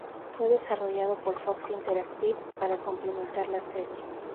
Fue desarrollado por Fox Interactive para complementar la serie.